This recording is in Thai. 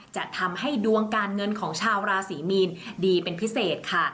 จะทำให้ดวงการเงินของชาวราศรีมีนดีเป็นพิเศษค่ะ